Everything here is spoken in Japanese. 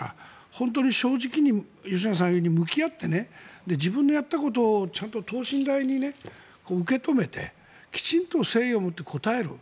本当に正直に吉永さんが言うように向き合って自分のやったことをちゃんと等身大に受け止めてきちんと誠意をもって答える。